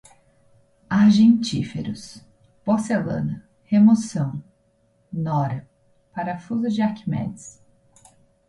argentíferos, porcelana, remoção, nora, parafuso de Arquimedes